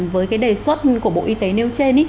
với cái đề xuất của bộ y tế nêu trên